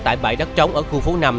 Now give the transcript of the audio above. tại bãi đất trống ở khu phố năm